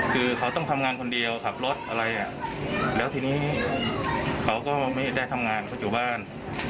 คือเขาต้องทำงานคนเดียวขับรถอะไรอ่ะแล้วทีนี้เขาก็ไม่ได้ทำงานเขาอยู่บ้าน